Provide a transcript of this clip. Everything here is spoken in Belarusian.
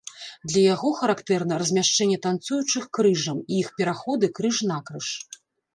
Для яго характэрна размяшчэнне танцуючых крыжам і іх пераходы крыж-накрыж.